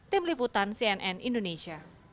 tim liputan cnn indonesia